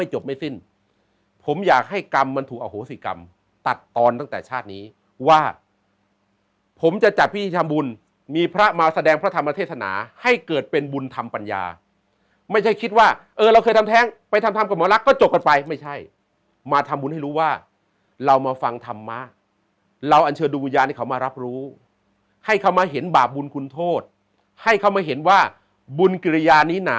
โหสิกรรมตัดตอนตั้งแต่ชาตินี้ว่าผมจะจัดพิธีทำบุญมีพระมาแสดงพระธรรมเทศนาให้เกิดเป็นบุญธรรมปัญญาไม่ใช่คิดว่าเออเราเคยทำแท้งไปทำธรรมกับหมอลักษณ์ก็จบกันไปไม่ใช่มาทำบุญให้รู้ว่าเรามาฟังธรรมะเราอัญเชิญดูบุญญานี่เขามารับรู้ให้เขามาเห็นบาปบุญคุณโทษให้เขามาเห็นว่าบุญกิ